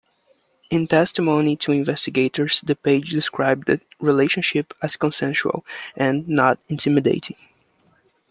In testimony to investigators, the page described the relationship as consensual and not intimidating.